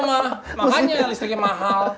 makanya listriknya mahal